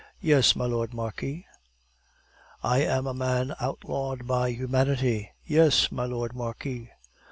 "Yes, my Lord Marquis." "I am as a man outlawed from humanity." "Yes, my Lord Marquis."